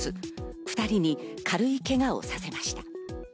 ２人に軽いけがをさせました。